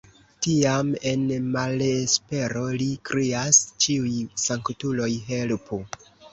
Tiam en malespero li krias: Ĉiuj sanktuloj helpu!